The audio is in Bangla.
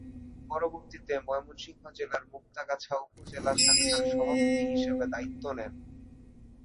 পরবর্তীতে ময়মনসিংহ জেলার মুক্তাগাছা উপজেলা শাখার সভাপতি হিসেবে দায়িত্ব নেন।